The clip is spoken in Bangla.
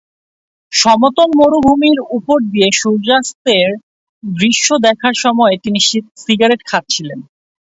সমতল মরুভূমির উপর দিয়ে সূর্যাস্তের দৃশ্য দেখার সময় তিনি সিগারেট খাচ্ছিলেন।